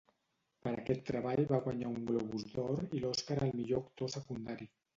Per aquest treball va guanyar un Globus d'Or i l'Oscar al millor actor secundari.